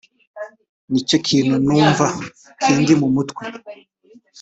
n’icyo kintu numvaga kindi mu mutwe